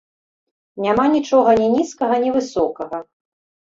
Няма нічога ні нізкага, ні высокага.